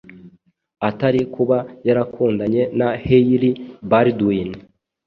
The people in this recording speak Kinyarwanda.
atari kuba yarakundanye na Hailey Baldwin.